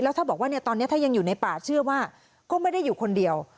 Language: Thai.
ถ้าบอกว่าตอนนี้ถ้ายังอยู่ในป่าเชื่อว่าก็ไม่ได้อยู่คนเดียว